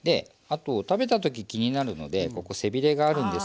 あと食べた時気になるのでここ背びれがあるんですけど。